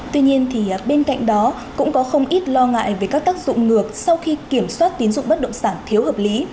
tuy nhiên bên cạnh đó cũng có không ít lo ngại về các tác dụng ngược sau khi kiểm soát tín dụng bất động sản thiếu hợp lý